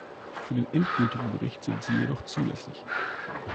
Für den endgültigen Bericht sind sie jedoch zulässig.